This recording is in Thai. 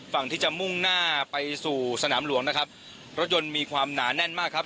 ฝั่งที่จะมุ่งหน้าไปสู่สนามหลวงนะครับรถยนต์มีความหนาแน่นมากครับ